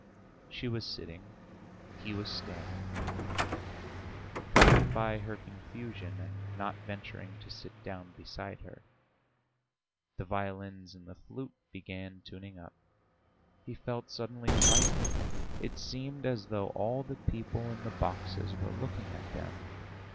She was sitting, he was standing, frightened by her confusion and not venturing to sit down beside her. The violins and the flute began tuning up. He felt suddenly frightened; it seemed as though all the people in the boxes were looking at them.